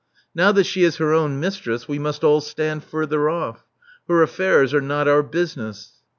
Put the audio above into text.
Now that she is her own mistress, we must all stand further oflF. Her aflEairs are not our business.